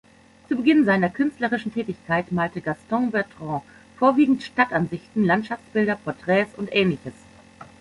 Zu Beginn seiner künstlerischen Tätigkeit malte Gaston Bertrand vorwiegend Stadtansichten, Landschaftsbilder, Porträts und Ähnliches.